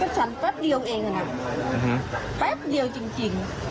ฉันแป๊บเดียวเองนะแป๊บเดียวจริง